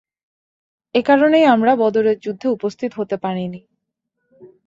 একারণেই আমরা বদরের যুদ্ধে উপস্থিত হতে পারিনি।